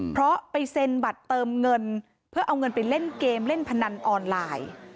เพราะไปเซ็นบัตรเติมเงินเพื่อเอาเงินไปเล่นเกมเล่นพนันออนไลน์